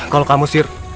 kalau kamu sir